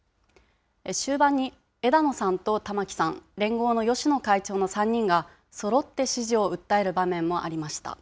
終盤に枝野さんと玉木さん、連合の芳野会長の３人がそろって支持を訴える場面もありました。